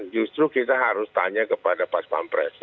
justru kita harus tanya kepada pak spampres